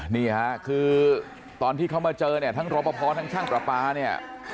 นี่ค่ะคือตอนที่เขามาเจอเนี่ยทั้งรอปภทั้งช่างประปาเนี่ย